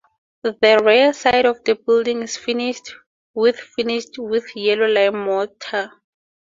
The rear side of the building is finished with finished with yellow lime mortar.